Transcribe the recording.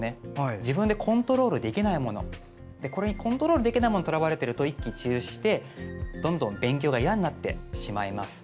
自分でコントロールできないものコントロールできないものにとらわれていると一喜一憂して、どんどん勉強がいやになってしまいます。